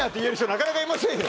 なかなかいませんよ